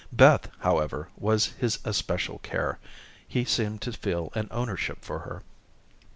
Beth, however, was his especial care. He seemed to feel an ownership for her.